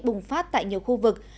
bùng phát tại nhiều khu vực